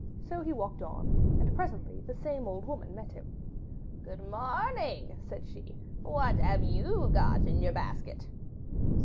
So he walked on, and presently the same old woman met him. 'Good morning,' said she; 'what have YOU got in your basket?